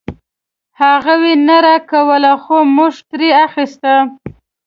هغوی نه راکوله خو مونږ ترې واخيسته.